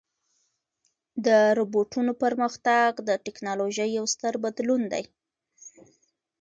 د روبوټونو پرمختګ د ټکنالوژۍ یو ستر بدلون دی.